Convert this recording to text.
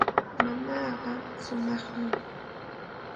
Mamaaqa shumaqmi.